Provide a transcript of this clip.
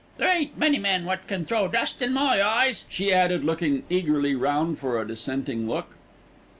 There ain't many men wot can throw dust in my eyes," she added, looking eagerly round for a dissenting look.